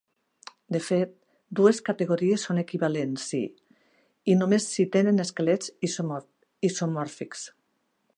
De fet, dues categories són equivalents si i només si tenen esquelets isomòrfics.